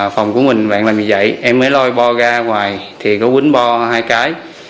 phòng của mình bạn làm như vậy em mới lôi bò ra hoài thì có quýnh bò hai cái